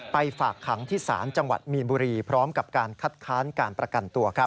ฝากขังที่ศาลจังหวัดมีนบุรีพร้อมกับการคัดค้านการประกันตัว